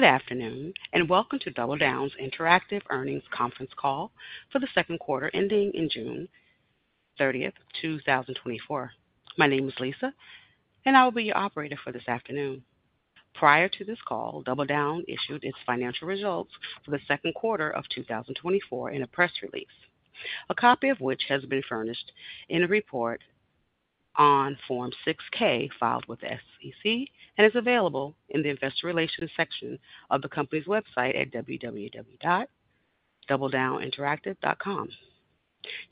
Good afternoon, and welcome to DoubleDown Interactive's Earnings Conference Call for the Second Quarter, ending June 30, 2024. My name is Lisa, and I will be your operator for this afternoon. Prior to this call, DoubleDown issued its financial results for the second quarter of 2024 in a press release, a copy of which has been furnished in a report on Form 6-K, filed with the SEC, and is available in the Investor Relations section of the company's website at www.doubledowninteractive.com.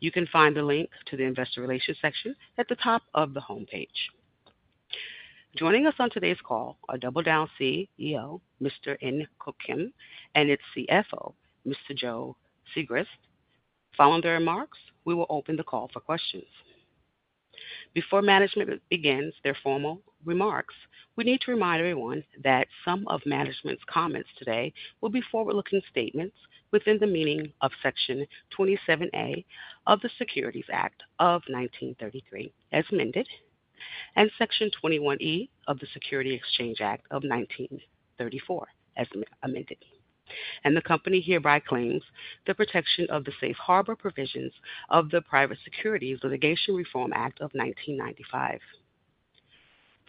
You can find the link to the Investor Relations section at the top of the homepage. Joining us on today's call are DoubleDown Chief Executive Officer, Mr. In Keuk Kim, and its Chief Financial Officer, Mr. Joe Sigrist. Following their remarks, we will open the call for questions. Before management begins their formal remarks, we need to remind everyone that some of management's comments today will be forward-looking statements within the meaning of Section 27A of the Securities Act of 1933, as amended, and Section 21E of the Securities Exchange Act of 1934, as amended. The company hereby claims the protection of the safe harbor provisions of the Private Securities Litigation Reform Act of 1995.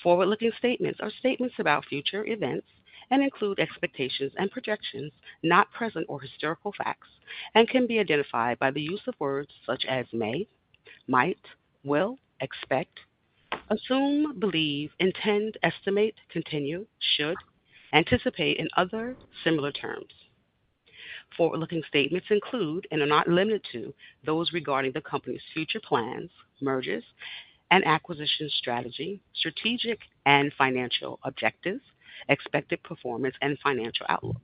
Forward-looking statements are statements about future events and include expectations and projections not present or historical facts, and can be identified by the use of words such as may, might, will, expect, assume, believe, intend, estimate, continue, should, anticipate and other similar terms. Forward-looking statements include, and are not limited to, those regarding the company's future plans, mergers and acquisition strategy, strategic and financial objectives, expected performance and financial outlook.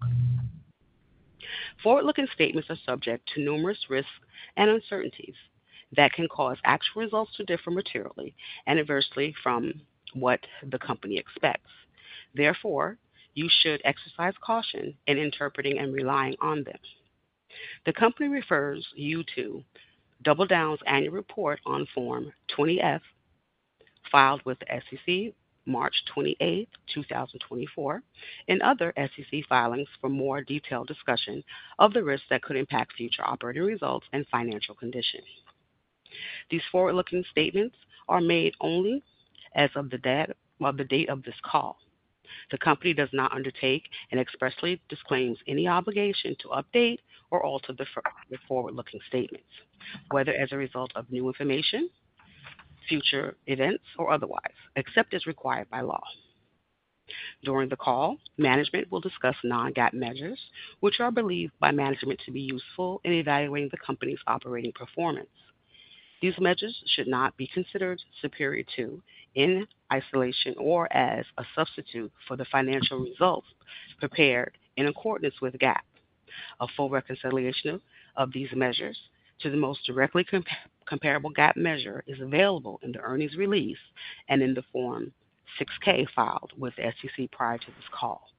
Forward-looking statements are subject to numerous risks and uncertainties that can cause actual results to differ materially and adversely from what the company expects. Therefore, you should exercise caution in interpreting and relying on them. The company refers you to DoubleDown's annual report on Form 20-F, filed with the SEC March 28, 2024, and other SEC filings for more detailed discussion of the risks that could impact future operating results and financial conditions. These forward-looking statements are made only as of the date of this call. The company does not undertake and expressly disclaims any obligation to update or alter the forward-looking statements, whether as a result of new information, future events or otherwise, except as required by law. During the call, management will discuss non-GAAP measures, which are believed by management to be useful in evaluating the company's operating performance. These measures should not be considered superior to, in isolation or as a substitute for the financial results prepared in accordance with GAAP. A full reconciliation of these measures to the most directly comparable GAAP measure is available in the earnings release and in the Form 6-K filed with the SEC prior to this call.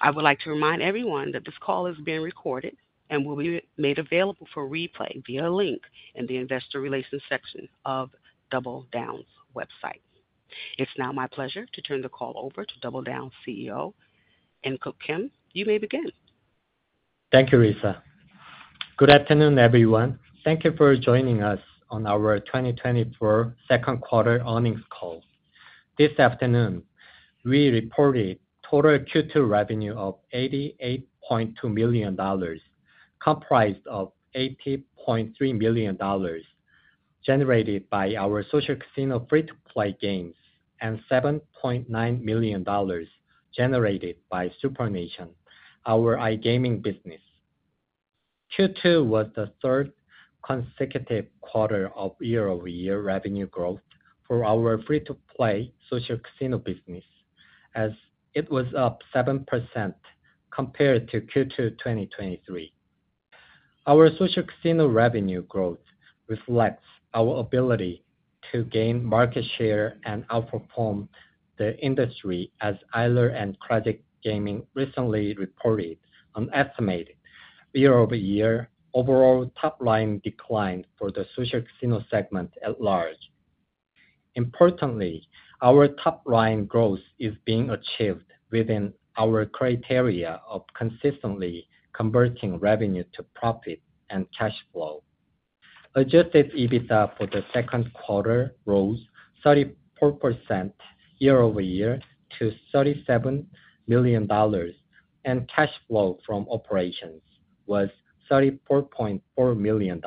I would like to remind everyone that this call is being recorded and will be made available for replay via a link in the Investor Relations section of DoubleDown's website. It's now my pleasure to turn the call over to DoubleDown Chief Executive Officer, In Keuk Kim. You may begin. Thank you, Lisa. Good afternoon, everyone. Thank you for joining us on our 2024 Second Quarter Earnings Call. This afternoon, we reported total Q2 revenue of $88.2 million, comprised of $80.3 million generated by our social casino free-to-play games, and $7.9 million generated by SuprNation, our iGaming business. Q2 was the third consecutive quarter of year-over-year revenue growth for our free-to-play social casino business, as it was up 7% compared to Q2 2023. Our social casino revenue growth reflects our ability to gain market share and outperform the industry, as Eilers & Krejcik Gaming recently reported an estimated year-over-year overall top line decline for the social casino segment at large. Importantly, our top line growth is being achieved within our criteria of consistently converting revenue to profit and cash flow. Adjusted EBITDA for the second quarter rose 34% year-over-year to $37 million, and cash flow from operations was $34.4 million.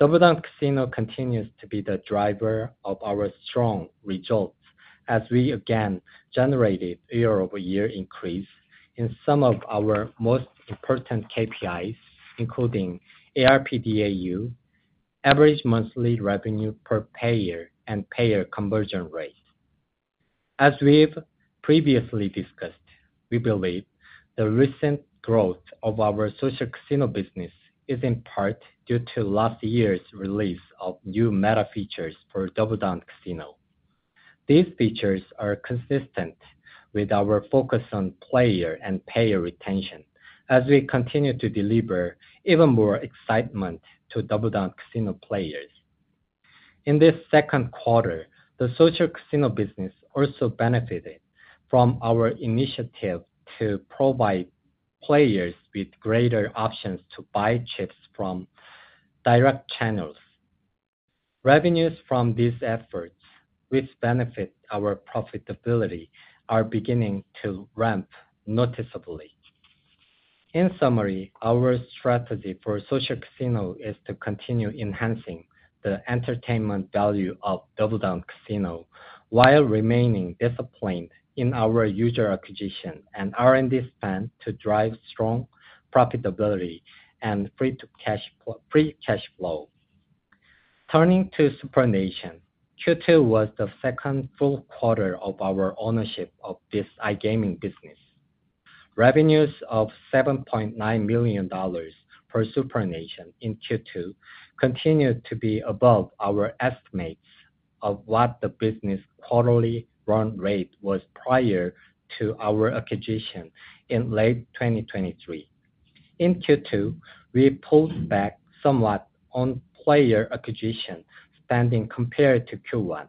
DoubleDown Casino continues to be the driver of our strong results as we again generated year-over-year increase in some of our most important KPIs, including ARPDAU, average monthly revenue per payer, and payer conversion rate. As we've previously discussed, we believe the recent growth of our social casino business is in part due to last year's release of new meta features for DoubleDown Casino. These features are consistent with our focus on player and payer retention as we continue to deliver even more excitement to DoubleDown Casino players. In this second quarter, the social casino business also benefited from our initiative to provide players with greater options to buy chips from direct channels. Revenues from these efforts, which benefit our profitability, are beginning to ramp noticeably. In summary, our strategy for social casino is to continue enhancing the entertainment value of DoubleDown Casino, while remaining disciplined in our user acquisition and R&D spend to drive strong profitability and free cash flow - free cash flow. Turning to SuprNation, Q2 was the second full quarter of our ownership of this iGaming business. Revenues of $7.9 million for SuprNation in Q2 continued to be above our estimates of what the business' quarterly run rate was prior to our acquisition in late 2023. In Q2, we pulled back somewhat on player acquisition spending compared to Q1.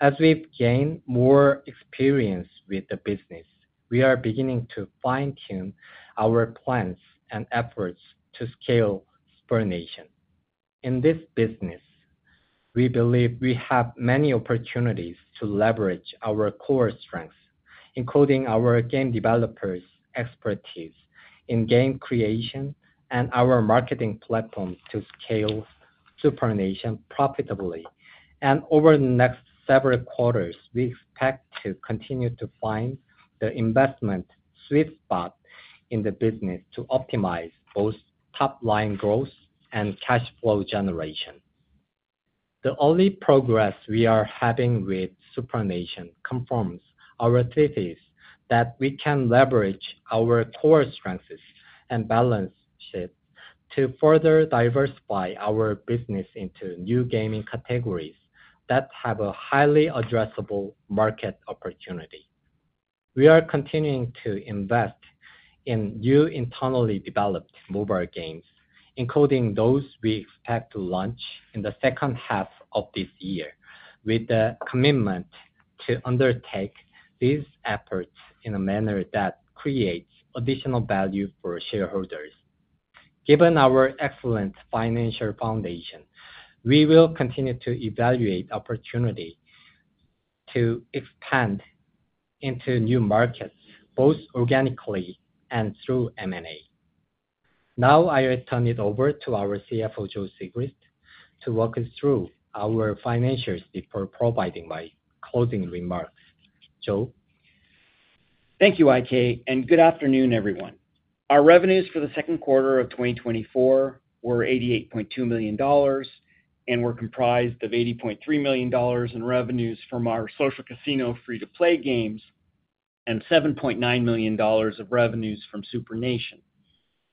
As we've gained more experience with the business, we are beginning to fine-tune our plans and efforts to scale SuprNation. In this business, we believe we have many opportunities to leverage our core strengths, including our game developers' expertise in game creation and our marketing platform to scale SuprNation profitably. Over the next several quarters, we expect to continue to find the investment sweet spot in the business to optimize both top-line growth and cash flow generation. The early progress we are having with SuprNation confirms our thesis that we can leverage our core strengths and balance sheet to further diversify our business into new gaming categories that have a highly addressable market opportunity. We are continuing to invest in new internally developed mobile games, including those we expect to launch in the second half of this year, with a commitment to undertake these efforts in a manner that creates additional value for shareholders. Given our excellent financial foundation, we will continue to evaluate opportunity to expand into new markets, both organically and through M&A. Now, I will turn it over to our Chief Financial Officer, Joe Sigrist, to walk us through our financials before providing my closing remarks. Joe? Thank you, IK, and good afternoon, everyone. Our revenues for the second quarter of 2024 were $88.2 million, and were comprised of $80.3 million in revenues from our social casino free-to-play games, and $7.9 million of revenues from SuprNation.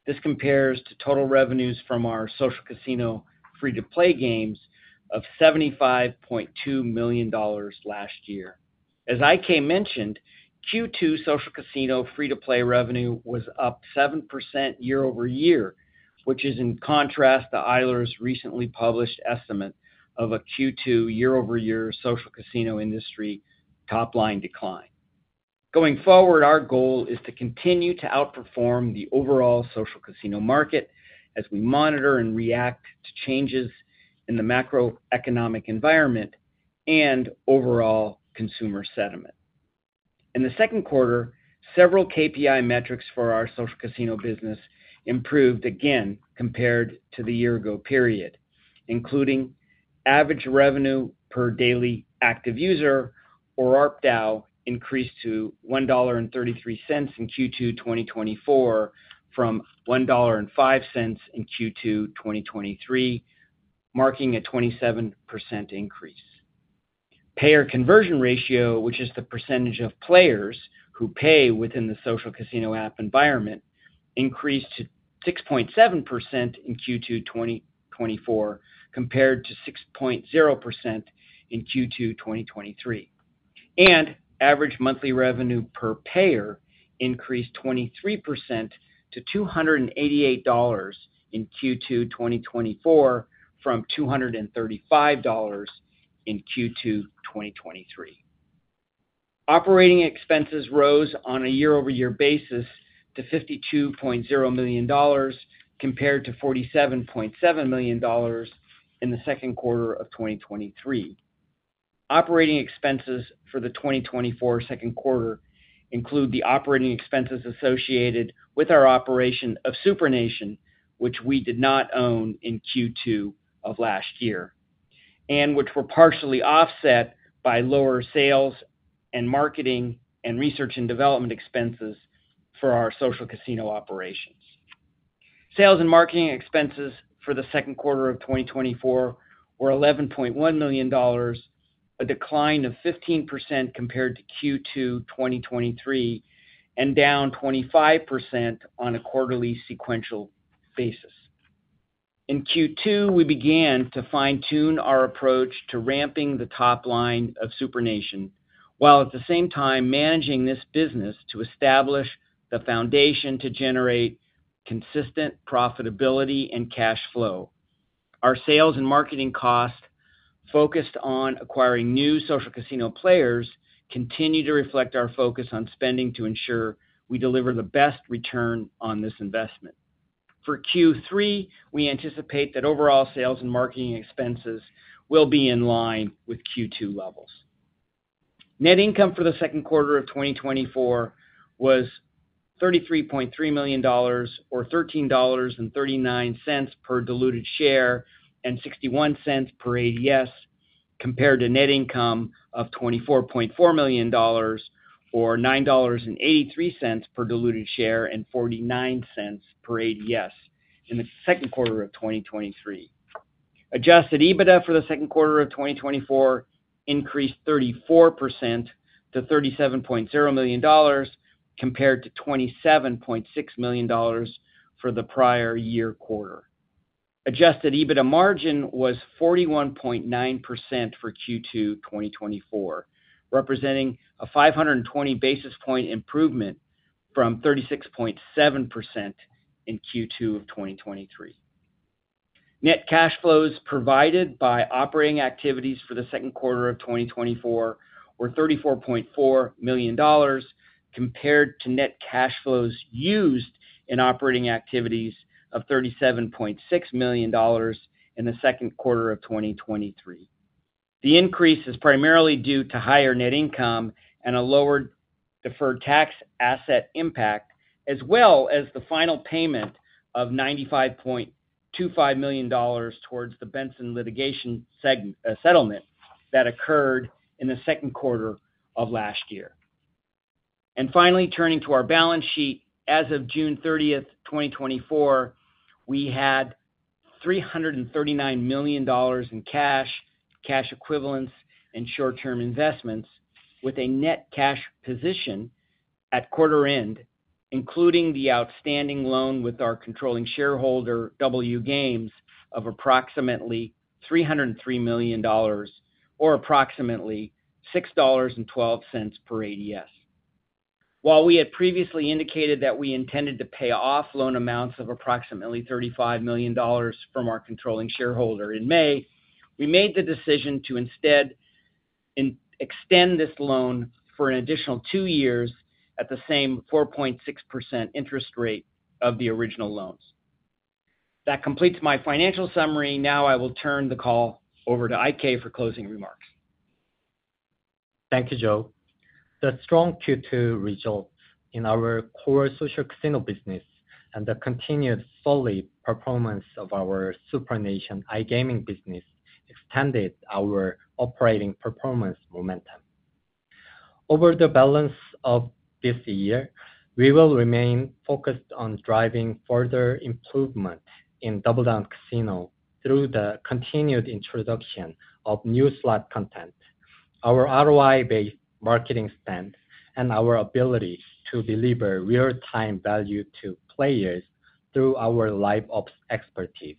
This compares to total revenues from our social casino free-to-play games of $75.2 million last year. As IK mentioned, Q2 social casino free-to-play revenue was up 7% year-over-year, which is in contrast to Eilers' recently published estimate of a Q2 year-over-year social casino industry top line decline. Going forward, our goal is to continue to outperform the overall social casino market as we monitor and react to changes in the macroeconomic environment and overall consumer sentiment. In the second quarter, several KPI metrics for our social casino business improved again compared to the year ago period, including average revenue per daily active user, or ARPDAU, increased to $1.33 in Q2 2024, from $1.05 in Q2 2023, marking a 27% increase. Payer conversion ratio, which is the percentage of players who pay within the social casino app environment, increased to 6.7% in Q2 2024, compared to 6.0% in Q2 2023. Average monthly revenue per payer increased 23% to $288 in Q2 2024, from $235 in Q2 2023. Operating expenses rose on a year-over-year basis to $52.0 million, compared to $47.7 million in the second quarter of 2023. Operating expenses for the 2024 second quarter include the operating expenses associated with our operation of SuprNation, which we did not own in Q2 of last year, and which were partially offset by lower sales and marketing and research and development expenses for our social casino operations. Sales and marketing expenses for the second quarter of 2024 were $11.1 million, a decline of 15% compared to Q2 2023, and down 25% on a quarterly sequential basis. In Q2, we began to fine-tune our approach to ramping the top line of SuprNation, while at the same time managing this business to establish the foundation to generate consistent profitability and cash flow. Our sales and marketing costs, focused on acquiring new social casino players, continue to reflect our focus on spending to ensure we deliver the best return on this investment. For Q3, we anticipate that overall sales and marketing expenses will be in line with Q2 levels. Net income for the second quarter of 2024 was $33.3 million, or $13.39 per diluted share, and $0.61 per ADS, compared to net income of $24.4 million, or $9.83 per diluted share, and $0.49 per ADS in the second quarter of 2023. Adjusted EBITDA for the second quarter of 2024 increased 34% to $37.0 million, compared to $27.6 million for the prior year quarter. Adjusted EBITDA margin was 41.9% for Q2 2024, representing a 520 basis point improvement from 36.7% in Q2 of 2023. Net cash flows provided by operating activities for the second quarter of 2024 were $34.4 million, compared to net cash flows used in operating activities of $37.6 million in the second quarter of 2023. The increase is primarily due to higher net income and a lower deferred tax asset impact, as well as the final payment of $95.25 million towards the Benson litigation settlement that occurred in the second quarter of last year. And finally, turning to our balance sheet. As of June 30, 2024, we had $339 million in cash, cash equivalents, and short-term investments, with a net cash position at quarter end, including the outstanding loan with our controlling shareholder, DoubleU Games, of approximately $303 million, or approximately $6.12 per ADS. While we had previously indicated that we intended to pay off loan amounts of approximately $35 million from our controlling shareholder in May, we made the decision to instead extend this loan for an additional two years at the same 4.6% interest rate of the original loans. That completes my financial summary. Now I will turn the call over to IK for closing remarks. Thank you, Joe. The strong Q2 results in our core Social Casino business and the continued solid performance of our SuprNation iGaming business extended our operating performance momentum. Over the balance of this year, we will remain focused on driving further improvement in DoubleDown Casino through the continued introduction of new slot content, our ROI-based marketing spend, and our ability to deliver real-time value to players through our Live Ops expertise.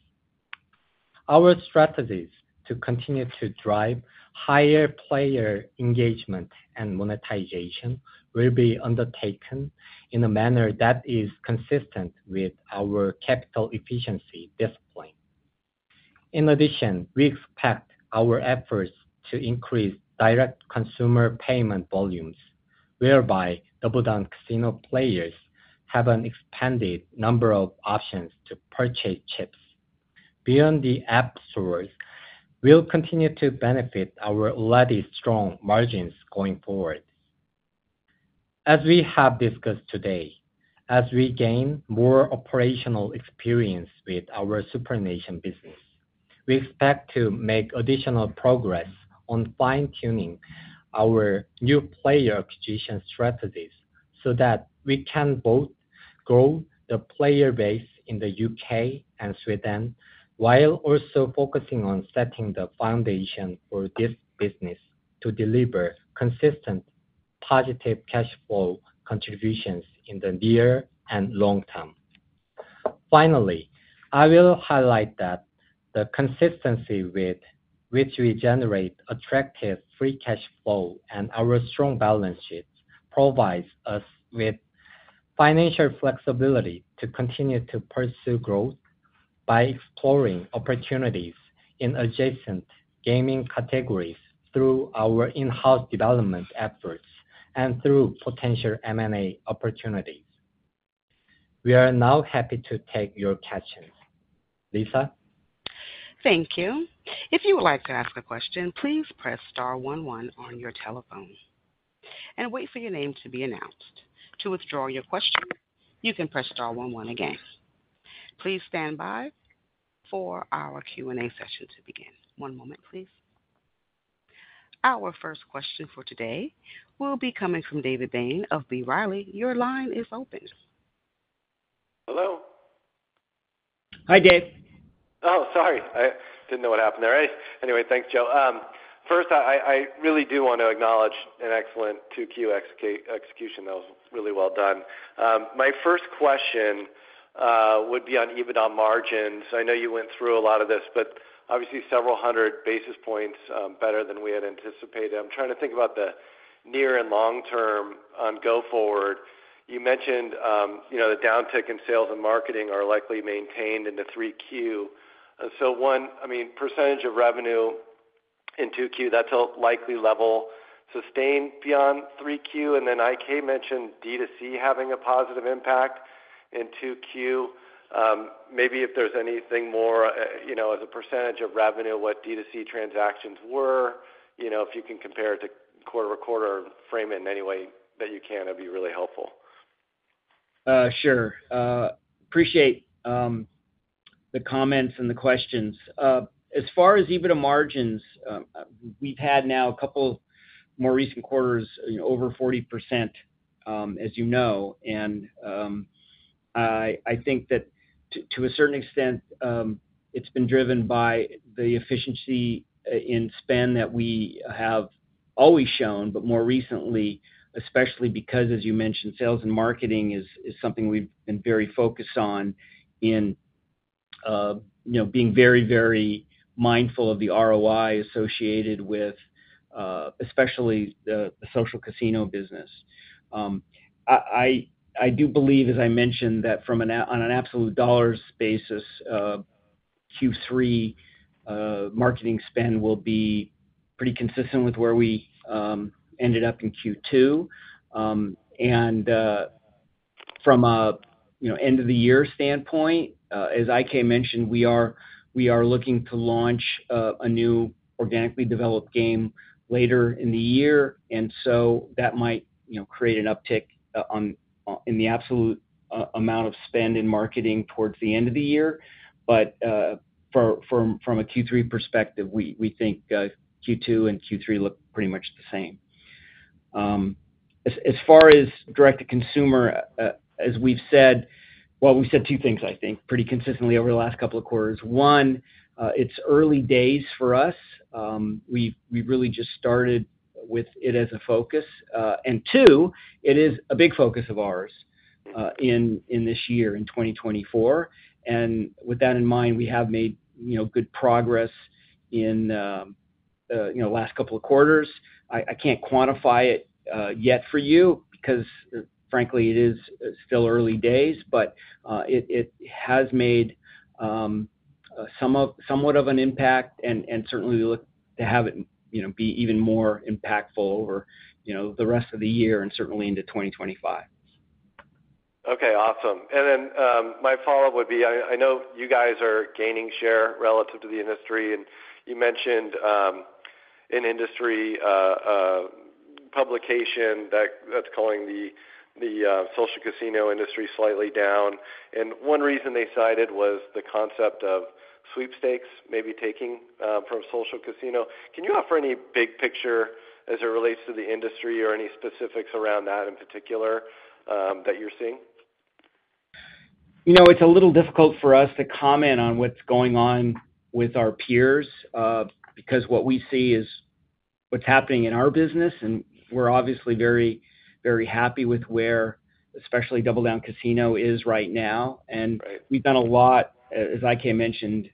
Our strategies to continue to drive higher player engagement and monetization will be undertaken in a manner that is consistent with our capital efficiency discipline. In addition, we expect our efforts to increase direct consumer payment volumes, whereby DoubleDown Casino players have an expanded number of options to purchase chips. Beyond the app stores, we'll continue to benefit our already strong margins going forward. As we have discussed today, as we gain more operational experience with our SuprNation business, we expect to make additional progress on fine-tuning our new player acquisition strategies, so that we can both grow the player base in the U.K. and Sweden, while also focusing on setting the foundation for this business to deliver consistent positive cash flow contributions in the near and long term. Finally, I will highlight that the consistency with which we generate attractive free cash flow and our strong balance sheet provides us with financial flexibility to continue to pursue growth by exploring opportunities in adjacent gaming categories through our in-house development efforts and through potential M&A opportunities. We are now happy to take your questions. Lisa? Thank you. If you would like to ask a question, please press star one one on your telephone and wait for your name to be announced. To withdraw your question, you can press star one one again. Please stand by for our Q&A session to begin. One moment, please. Our first question for today will be coming from David Bain of B. Riley. Your line is open. Hello? Hi, Dave. Oh, sorry, I didn't know what happened there. Anyway, thanks, Joe. First, I really do want to acknowledge an excellent 2Q execution. That was really well done. My first question would be on EBITDA margins. I know you went through a lot of this, but obviously several hundred basis points better than we had anticipated. I'm trying to think about the near- and long-term going forward. You mentioned you know, the downtick in sales and marketing are likely maintained in the 3Q. And so I mean, percentage of revenue in 2Q, that's a likely level sustained beyond 3Q. And then IK mentioned DTC having a positive impact in 2Q. Maybe if there's anything more, you know, as a percentage of revenue, what DTC transactions were, you know, if you can compare it to quarter-over-quarter or frame it in any way that you can, that'd be really helpful. Sure. Appreciate the comments and the questions. As far as EBITDA margins, we've had now a couple more recent quarters, over 40%, as you know. And, I think that to a certain extent, it's been driven by the efficiency in spend that we have always shown, but more recently, especially because, as you mentioned, sales and marketing is something we've been very focused on in, you know, being very, very mindful of the ROI associated with, especially the social casino business. I do believe, as I mentioned, that on an absolute dollars basis, Q3 marketing spend will be pretty consistent with where we ended up in Q2. From a, you know, end-of-the-year standpoint, as IK mentioned, we are looking to launch a new organically developed game later in the year, and so that might, you know, create an uptick in the absolute amount of spend in marketing towards the end of the year. But from a Q3 perspective, we think Q2 and Q3 look pretty much the same. As far as direct-to-consumer, as we've said... Well, we've said two things, I think, pretty consistently over the last couple of quarters. One, it's early days for us. We've really just started with it as a focus. And two, it is a big focus of ours in this year, in 2024. And with that in mind, we have made, you know, good progress in, you know, last couple of quarters. I can't quantify it yet for you, because, frankly, it is still early days, but it has made somewhat of an impact, and certainly we look to have it, you know, be even more impactful over, you know, the rest of the year and certainly into 2025. Okay, awesome. And then my follow-up would be, I know you guys are gaining share relative to the industry, and you mentioned an industry publication that's calling the social casino industry slightly down. And one reason they cited was the concept of sweepstakes maybe taking from social casino. Can you offer any big picture as it relates to the industry or any specifics around that in particular that you're seeing? You know, it's a little difficult for us to comment on what's going on with our peers, because what we see is what's happening in our business, and we're obviously very, very happy with where, especially DoubleDown Casino is right now. We've done a lot, as IK mentioned,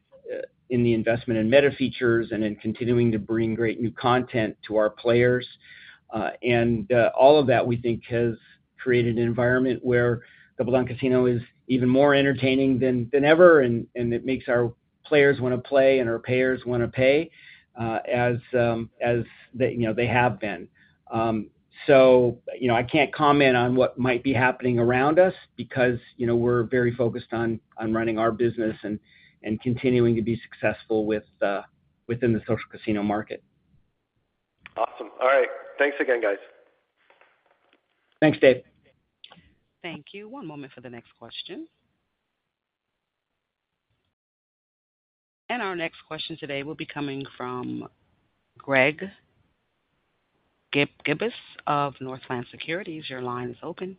in the investment in meta features and in continuing to bring great new content to our players. All of that, we think, has created an environment where DoubleDown Casino is even more entertaining than ever, and it makes our players want to play and our payers want to pay, as they, you know, they have been. So, you know, I can't comment on what might be happening around us because, you know, we're very focused on running our business and continuing to be successful within the social casino market. Awesome. All right, thanks again, guys. Thanks, Dave. Thank you. One moment for the next question. Our next question today will be coming from Greg Gibas of Northland Securities. Your line is open.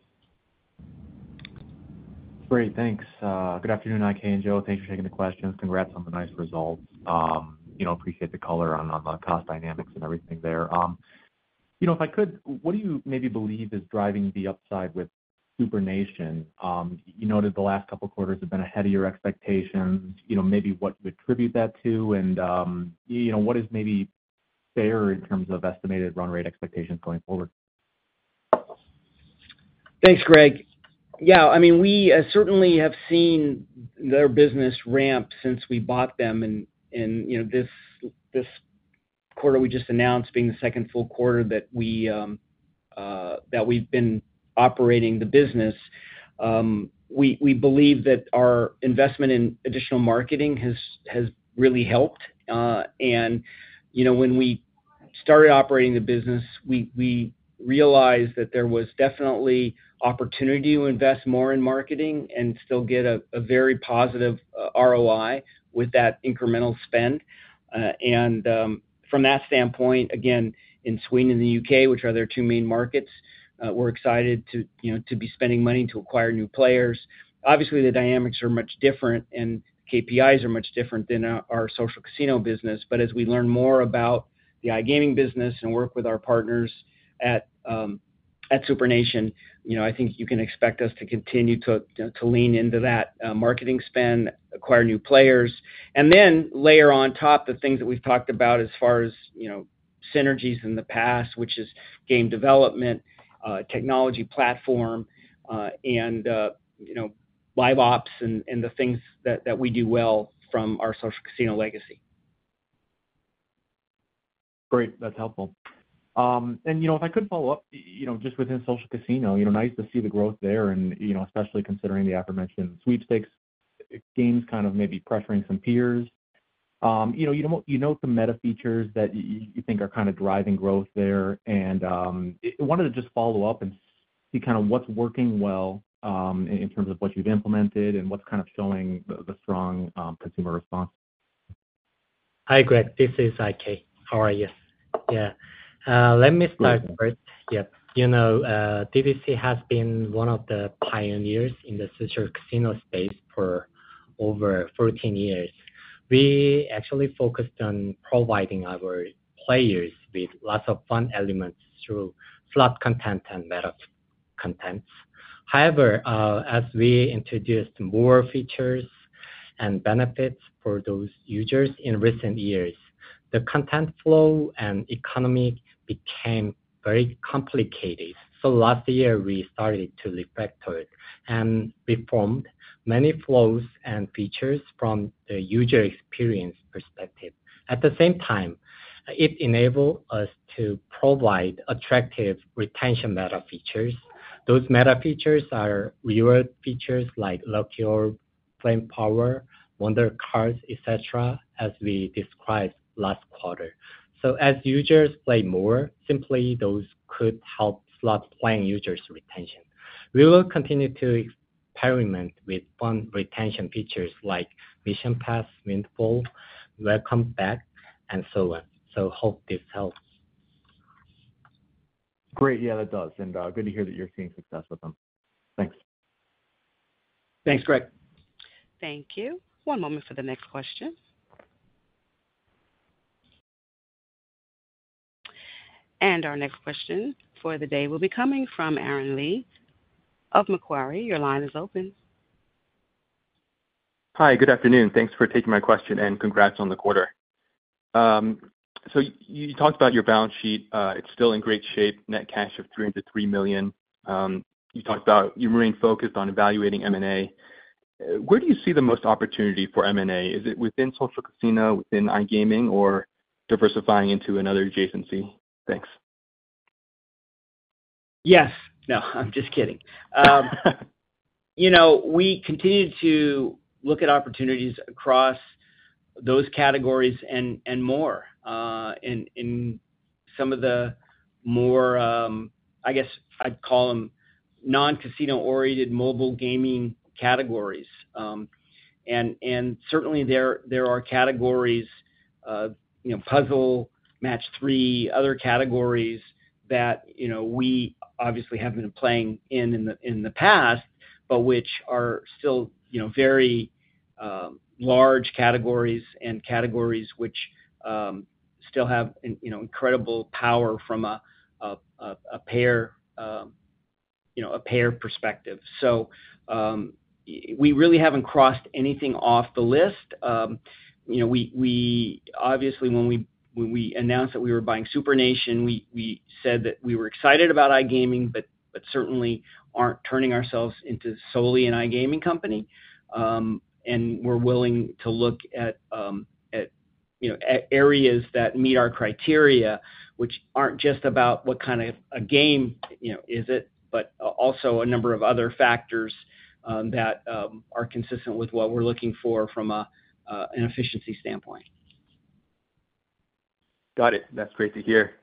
Great, thanks. Good afternoon, IK and Joe, thanks for taking the questions. Congrats on the nice results. You know, appreciate the color on, on the cost dynamics and everything there. You know, if I could, what do you maybe believe is driving the upside with SuprNation? You noted the last couple of quarters have been ahead of your expectations. You know, maybe what do you attribute that to? And, you know, what is maybe fair in terms of estimated run rate expectations going forward? Thanks, Greg. Yeah, I mean, we certainly have seen their business ramp since we bought them and, you know, this quarter we just announced being the second full quarter that we've been operating the business. We believe that our investment in additional marketing has really helped. And, you know, when we started operating the business, we realized that there was definitely opportunity to invest more in marketing and still get a very positive ROI with that incremental spend. And, from that standpoint, again, in Sweden and the U.K., which are their two main markets, we're excited to, you know, to be spending money to acquire new players. Obviously, the dynamics are much different and KPIs are much different than our social casino business. But as we learn more about the iGaming business and work with our partners at SuprNation, you know, I think you can expect us to continue to lean into that marketing spend, acquire new players. And then layer on top the things that we've talked about as far as, you know, synergies in the past, which is game development, technology platform, and, you know, live ops and the things that we do well from our social casino legacy. Great, that's helpful. And, you know, if I could follow up, you know, just within social casino, you know, nice to see the growth there and, you know, especially considering the aforementioned sweepstakes games kind of maybe pressuring some peers. You know, you know what, you note the meta features that you think are kind of driving growth there, and, I wanted to just follow up and see kind of what's working well, in terms of what you've implemented and what's kind of showing the strong consumer response. Hi, Greg, this is IK. How are you? Yeah, let me start first. Yep. You know, DDC has been one of the pioneers in the social casino space for over 14 years. We actually focused on providing our players with lots of fun elements through slot content and meta contents. However, as we introduced more features and benefits for those users in recent years, the content flow and economy became very complicated. So last year, we started to refactor it and reformed many flows and features from the user experience perspective. At the same time, it enabled us to provide attractive retention meta features. Those meta features are reward features like Lucky Orbs, Flame Power, Wonder Cards, et cetera, as we described last quarter. So as users play more, simply those could help slot playing users retention. We will continue to experiment with fun retention features like Mission Pass, Windfall, Welcome Back, and so on. So hope this helps. Great. Yeah, that does. And, good to hear that you're seeing success with them. Thanks. Thanks, Greg. Thank you. One moment for the next question. Our next question for the day will be coming from Aaron Lee of Macquarie. Your line is open. Hi, good afternoon. Thanks for taking my question, and congrats on the quarter. You talked about your balance sheet. It's still in great shape, net cash of $303 million. You talked about you remain focused on evaluating M&A. Where do you see the most opportunity for M&A? Is it within social casino, within iGaming, or diversifying into another adjacency? Thanks. Yes. No, I'm just kidding. You know, we continue to look at opportunities across those categories and more, in some of the more, I guess, I'd call them non-casino-oriented mobile gaming categories. And certainly there are categories, you know, Puzzle, Match-3, other categories that, you know, we obviously haven't been playing in, in the past, but which are still, you know, very large categories and categories which still have, you know, incredible power from a payer perspective. So, we really haven't crossed anything off the list. You know, we obviously when we announced that we were buying SuprNation, we said that we were excited about iGaming, but certainly aren't turning ourselves into solely an iGaming company. And we're willing to look at, you know, areas that meet our criteria, which aren't just about what kind of a game, you know, is it, but also a number of other factors, that are consistent with what we're looking for from an efficiency standpoint. Got it. That's great to hear.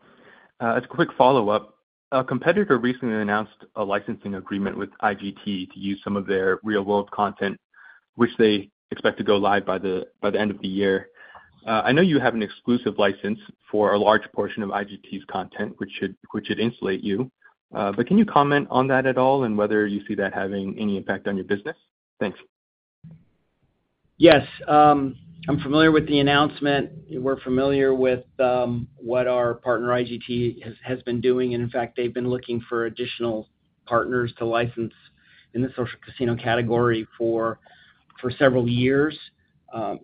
As a quick follow-up, a competitor recently announced a licensing agreement with IGT to use some of their real-world content, which they expect to go live by the end of the year. I know you have an exclusive license for a large portion of IGT's content, which should insulate you. But can you comment on that at all and whether you see that having any impact on your business? Thanks. Yes, I'm familiar with the announcement. We're familiar with what our partner, IGT, has been doing, and in fact, they've been looking for additional partners to license in the social casino category for several years.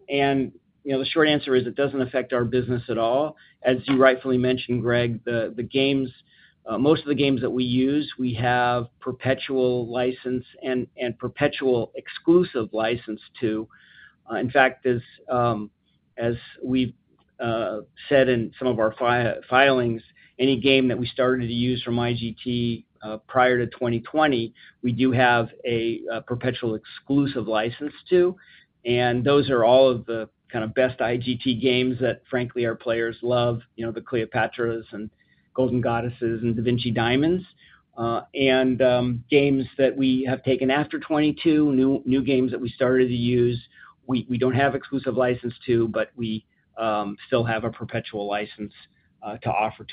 And, you know, the short answer is, it doesn't affect our business at all. As you rightfully mentioned, Greg, the games, most of the games that we use, we have perpetual license and perpetual exclusive license to. In fact, as we've said in some of our filings, any game that we started to use from IGT, prior to 2020, we do have a perpetual exclusive license to, and those are all of the kind of best IGT games that, frankly, our players love, you know, the Cleopatra and Golden Goddesses and Da Vinci Diamonds. And games that we have taken after 2022, new games that we started to use, we don't have exclusive license to, but we still have a perpetual license to offer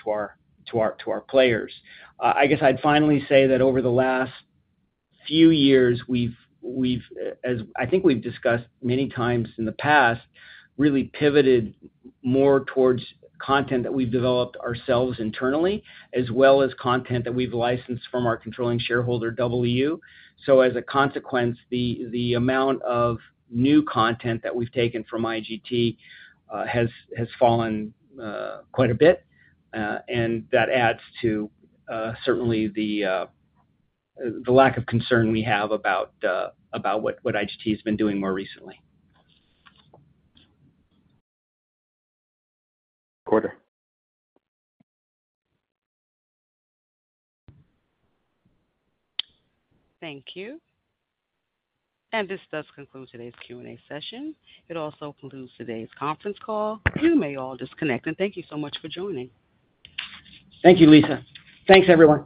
to our players. I guess I'd finally say that over the last few years, we've as I think we've discussed many times in the past, really pivoted more towards content that we've developed ourselves internally, as well as content that we've licensed from our controlling shareholder, DoubleU. So as a consequence, the amount of new content that we've taken from IGT has fallen quite a bit, and that adds to certainly the lack of concern we have about what IGT has been doing more recently.... Quarter. Thank you. This does conclude today's Q&A session. It also concludes today's conference call. You may all disconnect, and thank you so much for joining. Thank you, Lisa. Thanks, everyone.